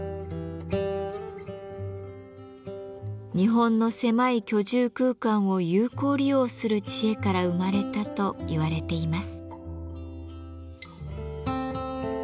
日本の狭い居住空間を有効利用する知恵から生まれたと言われています。